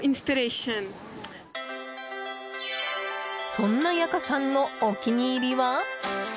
そんなヤカさんのお気に入りは？